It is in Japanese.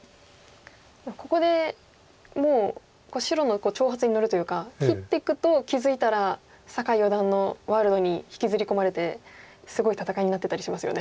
ここでもう白の挑発に乗るというか切っていくと気付いたら酒井四段のワールドに引きずり込まれてすごい戦いになってたりしますよね。